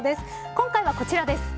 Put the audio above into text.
今回は、こちらです。